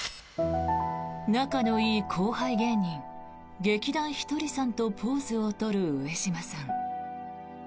仲のいい後輩芸人劇団ひとりさんとポーズを取る上島さん。